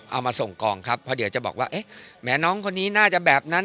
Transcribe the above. เอามาส่งกองครับเพราะเดี๋ยวจะบอกว่าเอ๊ะแม้น้องคนนี้น่าจะแบบนั้น